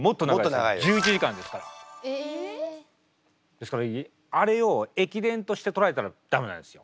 ですからあれを駅伝として捉えたら駄目なんですよ。